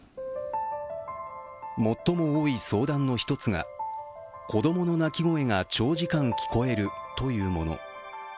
最も多い相談の１つが子供の泣き声が長時間聞こえるというもの。